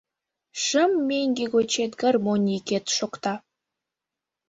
Шым меҥге гочет гармонь йӱкет шокта